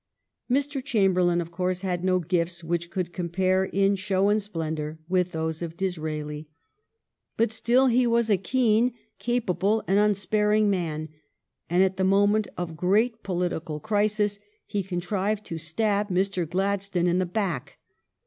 Mr. Chamberlain, of course, had no gifts which could compare in show and splendor with those of Disraeli, but still he was a keen, capable, and unsparing man, and at the moment of great political crisis he contrived to stab Mr. Gladstone in the back.